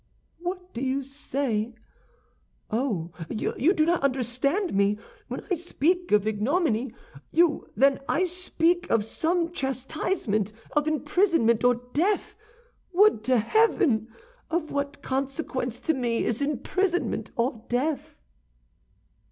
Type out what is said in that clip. "What do you say? Oh, you do not understand me! When I speak of ignominy, you think I speak of some chastisement, of imprisonment or death. Would to heaven! Of what consequence to me is imprisonment or death?"